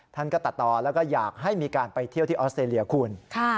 ท่านก็ตัดต่อแล้วก็อยากให้มีการไปเที่ยวที่ออสเตรเลียคุณ